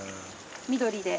緑で。